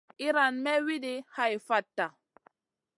Iran may wuidi hai fatta.